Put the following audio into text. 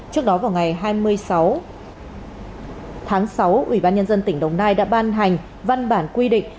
trước đó vào ngày hai mươi sáu tháng sáu ủy ban nhân dân tỉnh đồng nai đã ban hành văn bản quy định